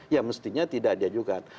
ya mestinya tidak diajukan